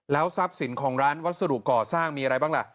ทรัพย์สินของร้านวัสดุก่อสร้างมีอะไรบ้างล่ะ